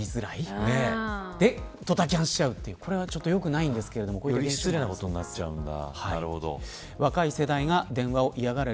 それで、ドタキャンしちゃうという声はよくないんですけど。より失礼なことになっちゃうんだ。